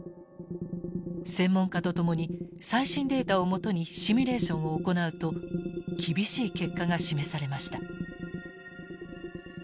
専門家と共に最新データを基にシミュレーションを行うと厳しい結果が示されました。